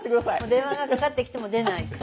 電話がかかってきても出ない。